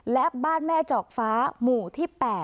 และบ้านแม่จอกฟ้าหมู่ที่๘